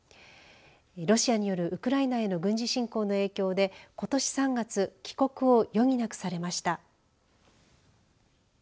ロシアによるウクライナへの軍事侵攻の影響で、ことし３月帰国を余儀なくされました。